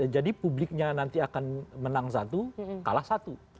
jadi publiknya nanti akan menang satu kalah satu